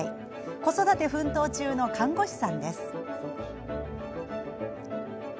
子育て奮闘中の看護師さんです。